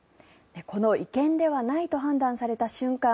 この違憲ではないと判断された瞬間